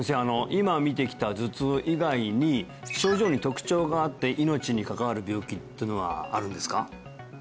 今見てきた頭痛以外に症状に特徴があって命に関わる病気っていうのはあるんですか？